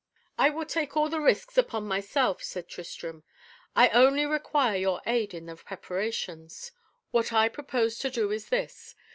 "I will take all the risk upon myself," said Tristram, "I only require your aid in the preparations. What I propose to do is this.